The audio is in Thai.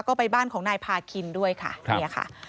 ก็ไปบ้านของนายพาคินด้วยค่ะเนี่ยค่ะ